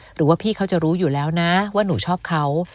หรือว่าพี่เขาจะรู้อยู่แล้วนะว่าหนูชอบเขา